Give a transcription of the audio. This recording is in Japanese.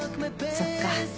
そっか。